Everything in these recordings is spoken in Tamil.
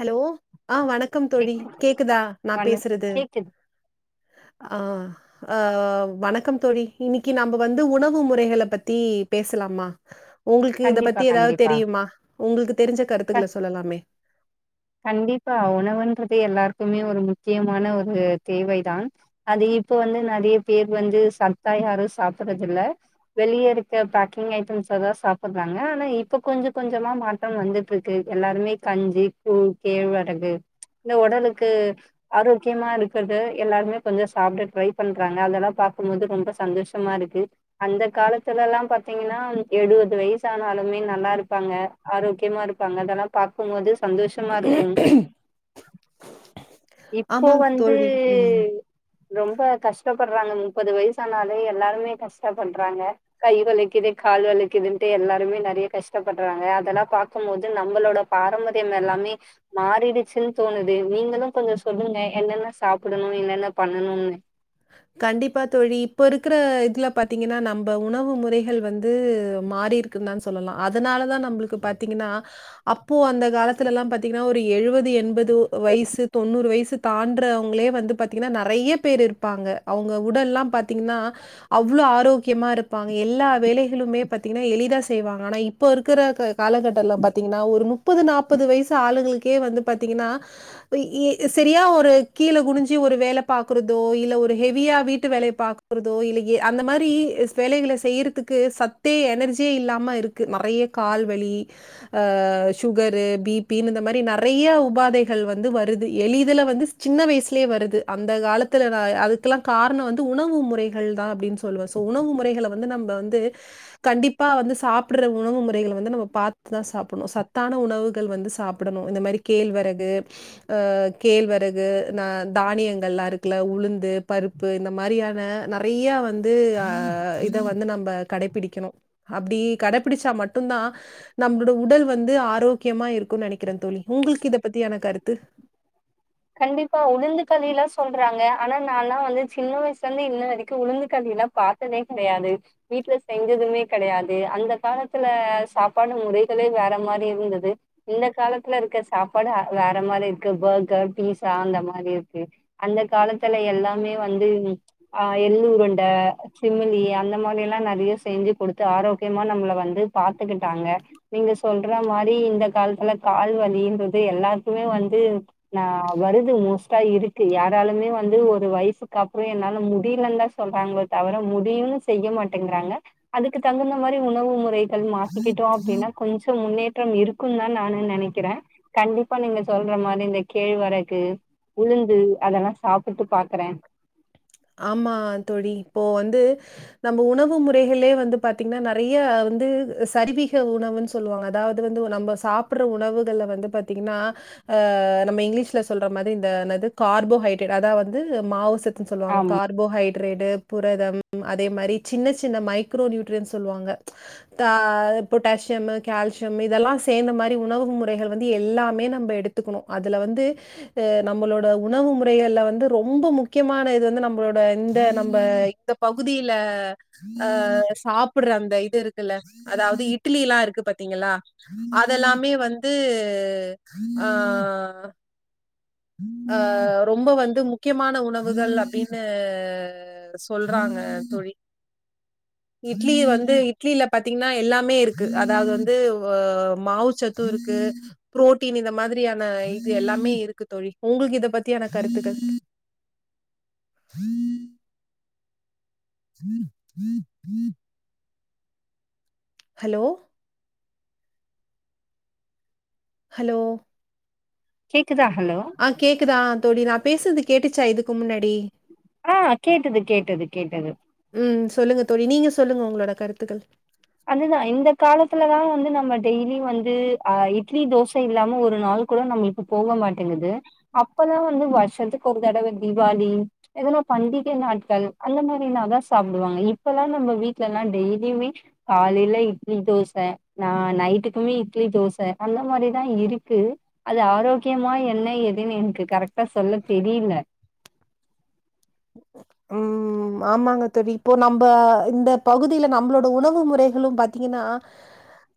ஹலோ ஆ வணக்கம் தோழி கேக் கேக்குதா நா பண்ணு பேசுறது கேக்குது ஆ அ வணக்கம் தோழி இன்னிக்கு நாம்ப வந்து உணவு முறைகள பத்தி பேசலாமா உங்குளுக்கு இத கண்டிப்பா பத்தி எதாது கண்டிப்பா தெரிமா உங்குளுக்கு தெரிஞ்ச க கருத்துக்கள சொல்லலாமே கண்டிப்பா உணவுன்றது எல்லாருக்குமே ஒரு முக்கியமான ஒரு தேவைதான் அது இப்ப வந்து நிறைய பேர் வந்து சத்தா யாரு சாப்புர்றது இல்ல வெளிய இருக்க பேக்கிங் ஐட்டம்ஸ தா சாப்புட்றாங்க ஆனா இப்ப கொஞ்ச கொஞ்சமா மா மாற்றம் வந்துட்ருக்கு எல்லாருமே கஞ்சி கூ கேழ்வரகு இந்த ஒடலுக்கு ஆரோக்கியமா இருக்கது எல்லாருமே கொஞ்சோ சாப்ட ட்ரை பண்றாங்க அதெல்லா பாக்கம்போது ரொம்ப சந்தோஷ மா இருக்கு அந்த காலத்துலலா பாத்தீங்கனா எழுவது வய்சு ஆனாலுமே நல்லாருப்பாங்க ஆரோக்கியமா இருப்பாங்க அதலா பாக்கும்போது சந்தோஷமாருக்கு இப்போ ஆமாங் வந்து தோழி ரொம்ப கஷ்டப்பட்றாங்க முப்பது வய்சானாலே எல்லாருமே கஷ்ட பட்றாங்க கை வலிக்குது கால் வலிக்குதுன்ட்டு எல்லாருமே நறைய கஷ்டப்பட்றாங்க அதெல்லா பாக்கும்போது நம்மளோட பாரம்பர் [inaudible] எல்லாமே மாறிடுச்சுன் தோணுது நீங்களு கொஞ்சோ சொல்லுங்க என்னென்ன சாப்புடுணு என்னென்ன பண்ணணும்னு கண்டிப்பா தோழி இப்போ இருக்குற இதுல பாத்தீங்கன்னா நம்ப உணவு முறைகள் வந்து மாறிருக் க்குன் தா சொல்லலா அதனாலதா நம்ளுக்கு பாத்தீங்கன்னா அப்போ அந்த காலத்துலலா பாத்தீங்கன்னா ஒரு எழுவது என்பது ஒ வய்சு தொண்ணூறு வய்சு தாண்றவங்களே வந்து பாத்தீங்கன்னா நறைய பேரு இருப்பாங்க அவங்க உடல்லா பாத்தீங்னா அவ்ளோ ஆரோக்கியமா இருப்பாங்க எல்லா வேலைகளுமே பாத்தீங்னா எளிதா செய்வாங்க ஆனா இப் இப்போ இருக்குற க காலகட்டல பாத்திங்னா ஒரு முப்பது நாப்பது வய்சு ஆளுங்குளுக்கே வந்து பாத்திங்னா இப்ப இ செரியா ஒரு கீழ குனிஞ்சி ஒரு வேல பாக்குறதோ இல்ல ஒரு ஹெவியா வீட்டு வேலைய பாக்றதோ இல்ல ஏ அந்த மாரி அ வேலைகள செய்றத்துக்கு சத் சத்தே எனர்ஜியே இல்லாம இருக்கு நறைய கால்வலி ஆ ஷூகரு பிப்பினு இந்த மரி நறைய உபாதைகள் வந்து வருது எளிதுல வந்து சின்ன வய்சுலே வருது அந்த காலத்துல அ அதுக்குலா காரணோ வந்து உணவு முறைகள் தான் அப்டின் சொல்வே சோ உணவு முறைகள வந்து நம்ப வந்து கண்டிப்பா வந்து சாப்புர்ற உணவு முறைகள் வந்து நம்ம பாத்துதா சாப்புண்ணு சத்தான உணவுகள் வந்து சா ப்டணு இந்த மாரி கேழ்வரகு அ கேழ்வரகு ந தானியங்கள்லா இருக்குல உளு ந்து பருப்பு இந்த மாரியான நறைய வந்து அ இத வந்து நம்ம கடைப்பிடிக்கணு அப்டி கடைபிடிச்சா மட்டுந்தா நம்ளோட உடல் வந்து ஆரோக்கியமா இருக்குன் நெனைக்கிறே தோழி உங்குளுக்கு இத பத்தியான கருத்து கண்டிப்பா உளுந்து கலிலா சொல்றாங்க ஆனா நால்லா வந்து சின்ன வய்சுலருந்து இன்ன வரைக்கு உளுந்து கலிலா பாத் த்ததே கெடையாது வீட்ல செஞ்சதுமே கெடையாது அந்த காலத்துல சாப்பாடு முறைகளே வேற மாரி இருந்துது இந்த காலத்துல இருக்குற சாப்பாடு வேற மாரி இருக்கு பர்கர் பீசா அந்த மாரி இருக்கு அந்த காலத்துல எல்லாமே வந்து அ எள்ளுருண்ட சிமிலி அந்த மாரி எல்லா நெறைய செஞ்சு கொடுத்து ஆரோக்கியமா நம்மள வந்து பாத்துக்கிட்டாங்க நீங்க சொல்ற மாரி இந்த காலத்துல கால் வலின்றது எல்லாருக்குமே வந்து ந வருது மோஸ்ட்டா இருக்கு யாராலுமே வந்து ஒரு வயசுக்கு அப்றோ என்னால முடிலந்தா சொல்றாங்களோ தவிர முடியும்ன்னு செய்ய மாட்டேங்கறாங்க அதுக்கு தகுந்த மாரி உணவு முறை மாத்திக்கிட்டோ அப்டின்னா கொஞ்சோ முன்னேற்ற இருக்குன்னு தா நானு நெனைக்கிற கண்டிப்பா நீங்க சொல்ற மாரி இந்த கேழ்வரகு உளுந்து அதெல்லா சாப்பிட்டு பாக்கறே ஆமா தோழி இப்போ வந்து நம்ம உணவு முறைகளே வந்து பாத்தீங்கன்னா நெறைய வந்து சரிவீக உணவு சொ சொல்லுவாங்க அதாவது வந்து நம்ம சாப்பற உணவுகள் வந்து பாத்தீங்கன்னா நம்ம இங்கிலீஷ்ல சொல்ற மாரி இந்தத கார்போஹைட்ரேட் அதா வந்து மாவு சத்துனு சொல்லுவாங்க ஆமா கார்போஹைட்ரேட்டு புரதம் அதே மாரி சின்ன சின்ன மைக்ரோ நியூட்ரியன் சொல்லுவாங்க அ பொட்டாசியம் கால்சியம் இதெல்லா சேந்த மாரி உணவு முறைகள் வந்து எல்லாமே நம்ப எடுத் க்கணும் அதுல வந்து நம்மளோட உணவு முறைகள்ல வந்து ரொம்ப முக்கியமான இது வந்து நம்ம நம்மளோட இந்த நம்ம இந்த பகுதியில அ சாப்பட்ற அந்த இது இருக்குல்ல அதாவது இட்டிலிலா இருக்கு பாத்தீங்களா அதெல்லாமே வந்து ஆ ஆ ரொம்ப வந்து முக்கியமான உணவுகள் அப்டின்னு சொல்றாங்க தோழி இட்லி வந்து இட்லில பாத்தீங்கன்னா எல்லாமே இருக்கு அதாவது வந்து மாவு சத்து இருக்கு புரோட்டீன் இந்த மாதிரியான இது எல்லாமே இருக்கு தோழி உங்களுக்கு இத பத்தியான கருத்துக்கள் ஹலோ ஹலோ கேக்குதா ஹலோ ஆ கேக்குதா தோழி நா பேசுறது கேட்டுச்சா இதுக்கு முன்னாடி ஆ கேட்டது கேட்டது கேட்டது ம் சொல்லுங்க தோழி நீங்க சொல்லுங்க உங்களோட கருத்துக்கள் அதுதா இந்த காலத்துலதா வந்து நம்ம டெய்லி வந்து அ இட்லி தோச இல்லாம ஒரு நாள் கூட நம்மள் போக மாட்டேங்குது அப்பலா வந்து வருஷத்துக்கு ஒரு தடவ தீவாளி எதனா பண்டிக நாட்கள் அந்த மாதிரினாதா சாப்டுவாங்க இப்பெல்லா நம்ம வீட்ல எல்லா டெய்லியுமே காலையில இட்லி தோச ந நைட்டுக்குமே இட்லி தோசை ம அந்த மாரிதா இருக்கு அது ஆரோக்கியமா என்ன ஏதுன்னு எனக்கு கரெக்டா சொல்ல தெரில ம் ஆமாங்க தோழி இப்போ நம்ம இந்த பகுதியில நம்மளோட உணவு முறைகளு பாத்தீங்கன்னா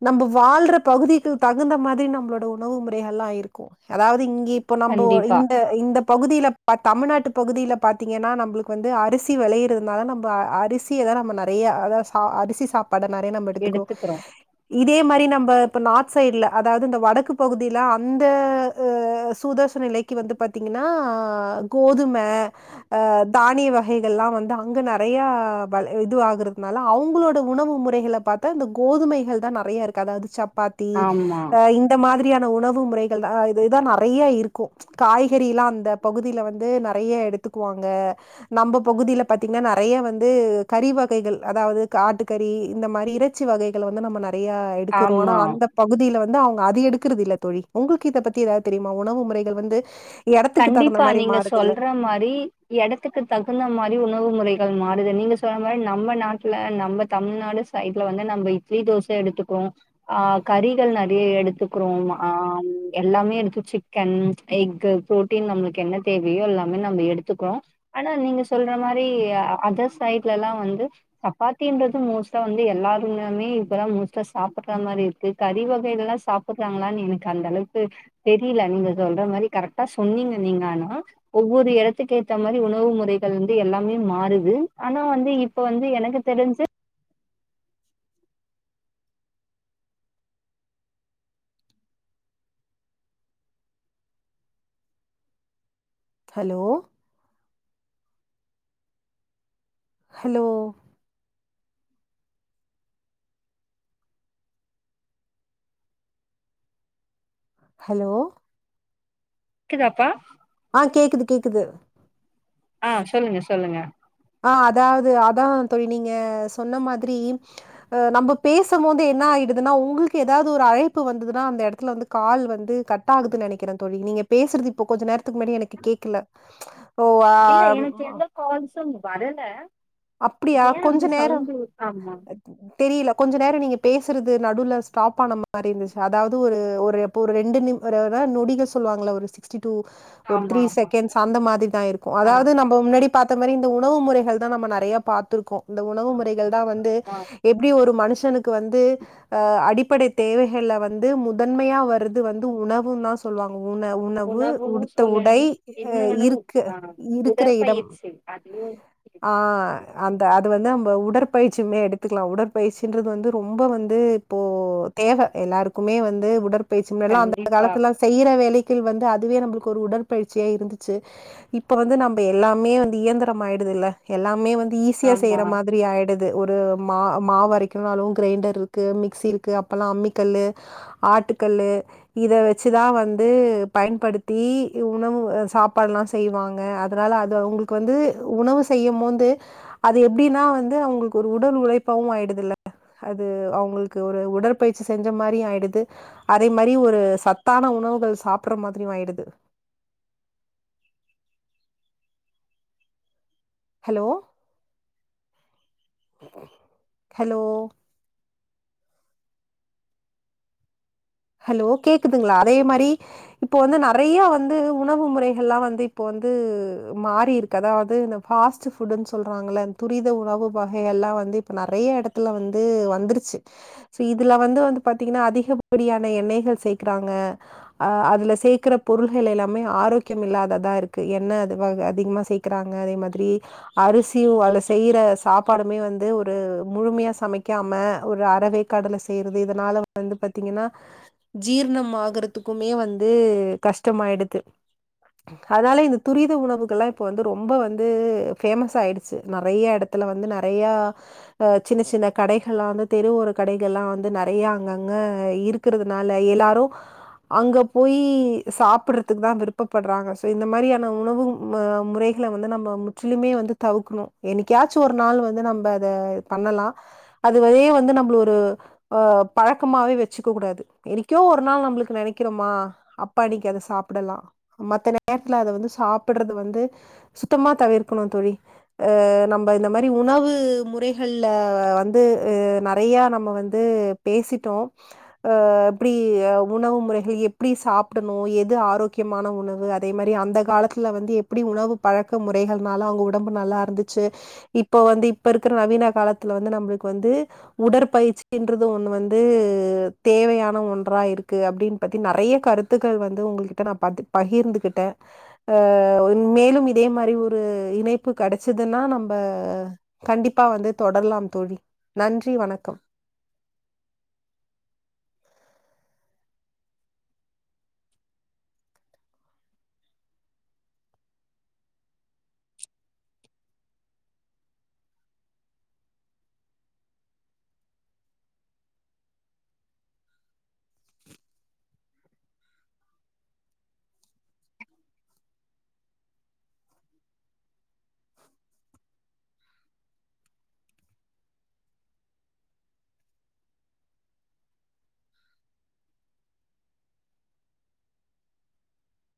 நம்ம வாழ்ற பகுதிகள் தகுந்த மாதிரி நம்மளோட உணவு முறைகள்ல்லா இருக்கும் அதாவது இங்கே இப்போ நம்போ கண்டிப்பா இந்த இந்த பகுதியில தமிழ்நாட்டு பகுதியில பாத்தீங்கன்னா நம்மளுக்கு வந்து அரிசி வெளையறதுனால நம்ம அரிசிய நம்ம நெறைய அத அரிசி சாப் பட நெறைய நம்ம எடுத்துக்கோ எடுத்துக்கிறோ இதே மாதிரி நம்ம இப்ப நார்த் சைட்ல அதாவது இந்த வடக்கு பகுதியில அந்த சூதோஷ நிலை வந்து பாத்தீங்கன்னா கோதும அ தானிய வகைகள்லா வந்து அங்க நெறைய வல இது அகறதுனால அவங்களோட உணவு முறைகள பாத் இந்த கோதுமைகள் தா நெறையார்க்கு அதாது சப்பாத்தி ஆமா இந் இந்த மாதிரியான உணவு முறைகள் ஆ இத்தா நெறைய இருக்கு காய்கறி எல்லா அந்த பகுதியில வந்து நெறைய எடுத்துக்குவாங்க நம்ம பகுதில பாத்தீங்னா நெறைய வந்து கறி வகைகள் அதாவது காட்டுக்கறி இந்த மாரி ச்சி வகைகள வந்து நம்ம நெறைய எடுக்குறோ ஆனா ஆமா அந்த பகுதில வந்து அவங்க அது எடுக்கறதில்ல தோழி உங்களுக்கு இத பத்தி ஏதாது தெரியுமா உணவு முறைகள் வந்து எடத்துக்கு தகுந்த கண்டிப்பா மாரி நீங்க மாறுதுல்ல சொல்ற மாறி எடத்துக்கு தகுந்த மாறி உணவு முறைகள் மாறுது நீங்க சொல்ற மாரி நம்ம நாட்டுல நம்ம தமிழ்நாடு சைட்ல வந்து நம்ம இட்லி தோச எடுத்துக்குவோ ஆ கறிகள் நெறைய எடுத்துக்குறோ ஆ எல்லாமே எடுத்து சிக்கன் எக்கு புரோட்டீன் நம்மளுக்கு என்ன தேவையோ எல்லாமே நம்ம எடுத்துக்குறோ ஆனா நீங்க சொல்ற மாரி அதர் சைட்லல்லா வந்து சப்பாத்தின்றது மோஸ்ட்டா வந்து எல்லாருமே இப்பல்லா மோஸ்ட்டா சாப்புட்ற மாறி இருக்கு கறி வகைகள்ல்லா சாப் க்குறாங்களான் எனக்கு அந்த அளவுக்கு தெரில்ல நீங்க சொல்ற மாறி கரெட்டா சொன்னீங்க நீங்க ஆனா ஒவ்வொரு எடத்துக்கு ஏத்த மாறி உணவு முறைகள் வந்து எல்லாமே மாறுது ஆனா வந்து இப் ப்ப வந்து எனக்கு தெரிஞ்சு ஹலோ ஹலோ ஹலோ க்குதாப்பா. ஆ கேக்குது கேக்குது. ஆ சொல்லுங்க சொல்லுங்க. ஆ அதாவது அதா தோழி நீங்க சொன்ன மாத்ரி. நம்ப பேசும் போது என்ன ஆயிடுதுன்னா உங்களுக்கு ஏதாது ஒரு அழைப்பு வந்ததுன்னா அந்த எடத்துல வந்து. கால் வந்து கட் ஆகுது நெனக்கிற தோழி நீங்க பேசுறது இப்போ கொஞ்ச நேரத்துக்கு முன்னாடி எனக்கு கேக்கல. ஓ! ஆ இல்ல எனக்கு எந்த கால்சும் வரல. அப்டியா? ஏ கொஞ்ச அப்டி நேரம் சவுண்டு ஆமா தெரியல கொஞ்ச நேரோ நீங்க பேசுறது நடுல்ல ஸ்டாப் ஆன மாரி இருந்துச்சு அதாது ஒரு ஒரு. இப்ப ஒரு ரெண்டு நி ர ர நொடிகள் சொல்லுவாங்கள ஒரு சிக்ஸ்டி டூ. ஒரு ஆமா த்ரீ ஆமா செகண்ட்ஸ் அந்த மாத்ரி தா இருக்கு ஆ அதாது நம்ம முன்னாடி பாத்த மாரி இந்த உணவு முறைகள் தா நம்ம ந நெறைய பாத்திருக்கோ இந்த உணவு முறைகள் தா வந்து ஆ எப்டி ஒரு மனுஷனுக்கு வந்து. அ அடிப்படை தேவைகள்ல வந்து முதன்மையா வரது வந்து உணவு தான் சொல்வாங்க உணவு. உணவு உணவுன்னு உடுத்த உடை சொல்லணு அ இன்னொன்னு இருக்க ஆ இருக்குற எடம் உடற்பயிற்சி அதுவு ஆ அந்த அது வந்து நம்ப உடற்பயிற்சியுமே எடுத்துக்கலா உடற்பயிற்சின்றது வந்து ரொம்ப வந்து இப்போ தேவ எல்லாருக்குமே வந்து உடற்பயிற்சி முன்னால்லா அந்த கண்டிப்பா காலத்துல செய்யுற வேலைக்கு வந்து அதுவே நம்பளுக்கு ஒரு உடற்பயிற்சியா இருந்துச்சு இப்ப வந்து நம்ப எல்லாமே வந்து இயந்திரம் ஆயிடுதுல்ல எல்லாமே வந்து ஈஸியா செய்ற ஆமா மாத்ரி ஆயு குது ஒரு மா மாவரைக்குனாலு கிரைண்டர் இருக்கு மிக்சி இருக்கு அப்பல்லா அம்மி கல்லு ஆட்டுக்கல்லு இத வச்சுதா வந்து பயன்படுத்தி உணவு சாப்பாட்ல்லா செய்வாங்க அதனால அது அவங்களுக்கு வந்து உணவு செய்யும் போது. அது எப்டின்னா வந்து அவங்களுக்கு ஒரு உடல் உழைப்பாவு ஆயிடுதில்ல. அது அவங்களுக்கு ஒரு உடற்பயிற்சி செஞ்ச மாரி ஆயிடுது. அதே மாரி ஒரு சத்தான உணவுகள் சாப்பற மாதிரியு ஆயிடுது. ஹலோ ஹலோ ஹலோ கேக்குதுங்களா அதே மாரி இப்போ வந்து நறைய வந்து உணவு முறைகள்லா வந்து இப்போ வந்து மாரிருக்கு காதாவது இந்த பாஸ்ட் புட்ன் சொல்றாங்கள துரித உணவு வகையெல்லா வந்து இப்ப நெறைய எடத் டத்துல வந்து வந்துருச்சு சீ இதுல வந்து வந்து பாத்தீங்கன்னா அதிக படியான எண்ணெய்கள் சேக்றாங்க ஆ அதுல சேக்குற பொருள்கள் எல்லாமே ஆரோக்கியம் இல்லாத தா இருக்கு எண்ண அதுவா அதிகமா சே க்கறாங்க அதே மாதிரி அரிசியு அதுல செய்ற சாப்பாடுமே வந்து ஒரு முழுமையா சமைக்காம ஒரு அறவேக் கடுல செய்றது இதனால வந்து பத் பாத்தீங்கன்னா ஜீர்ணம் ஆகறதுக்குமே வந்து கஷ்டமாயிடுது அதனால இந்த துரித உணவுகள் எல்லாம் இப்ப வந்து ரொம்ப வந்து பேமஸ்சாயிடுச்சு நெறைய எடத் த்துல வந்து நறையா ஆ சின்ன சின்ன கடைகள்லா வந்து தெருவோர கடைகள்லா வந்து நறையா அங்கங்க ஆ இருக்கறதுனால எல்லாரு அங்க போய் சாப்புட்றதுக்கு தா விருப்பப்படுறாங்க சோ இந்த மாரியான உணவு ம முறை கள வந்து நம்ப முற்றிலுமே வந்து தவுக்கணு என்னிக்காச்சு ஒரு நாள் வந்து நம்ப அத பண்ணலா அதுவே வந்து நம்ப்ளோர அ பழக்கமாவே வெ ச்சுக்க கூடாது எனிக்கோ ஒரு நாள் நம்ளுக்கு நெனக்கிறோமா அப்ப அன்னிக்கி அத சாப்டலா மத்த நேரத்துல அத வந்து சாப்பர்றது வந்து சுத்தமா தவிர்க்கணு தோழி அ நம்ப இந்த மாரி உணவு முறைகள்ல வந்து நறையா நம்ம வந்து பேசிட்டோ அ எப்டி உணவு முறைகள் எப்பிடி சாப்டணு எது ஆரோக்கியமான உணவு அதே மாரி அந்த கால துல்ல வந்து எப்பிடி உணவு பழக்க முறைகள்னால அவங்க ஒடம்பு நல்லாருந்துச்சு இப்போ வந்து இப்ப இருக்குற நவீன காலத்துல வந்து நம்மளுக்கு வந்து உடற்பயிற்சின்றது ஒண்ணு வந்து அ தேவையான ஒன்றா இருக்கு அப்டின்னு பத்தி நிறறைய கருத்துக்கள் வந்து உங்கள்கிட்ட நா பாத்து பகிர்ந்துக்கிட்ட ஆ ஒன் மேலும் இதே மாரி ஒரு இணைப்பு கெடைச்சதுன்னா நம்ப கண்டிப்பா வந்து தொடரலாம் தோழி நன்றி வணக்கம்